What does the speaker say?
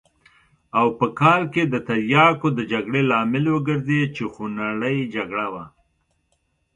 او په کال کې د تریاکو د جګړې لامل وګرځېد چې خونړۍ جګړه وه.